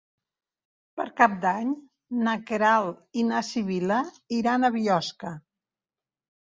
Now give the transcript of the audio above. Per Cap d'Any na Queralt i na Sibil·la iran a Biosca.